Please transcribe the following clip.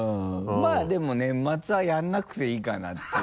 まぁでも年末はやらなくていいかなっていう。